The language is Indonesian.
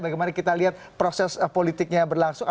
bagaimana kita lihat proses politiknya berlangsung